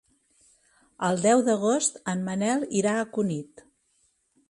El deu d'agost en Manel irà a Cunit.